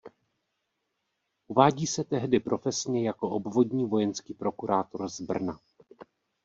Uvádí se tehdy profesně jako obvodní vojenský prokurátor z Brna.